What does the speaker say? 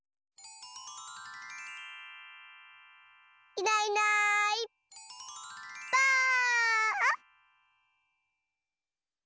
いないいないばあっ！